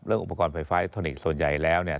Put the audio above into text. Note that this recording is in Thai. เรื่องอุปกรณ์ไฟฟ้าอิเล็กทรอนิกส์ส่วนใหญ่แล้วเนี่ย